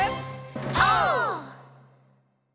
オー！